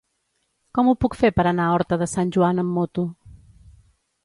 Com ho puc fer per anar a Horta de Sant Joan amb moto?